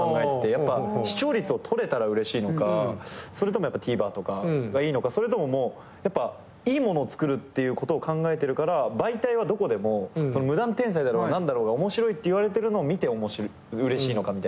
やっぱ視聴率を取れたらうれしいのかそれともやっぱＴＶｅｒとかがいいのかそれとももういいものを作るっていうことを考えてるから媒体はどこでも無断転載だろうが何だろうが面白いっていわれてるのを見てうれしいのかみたいな。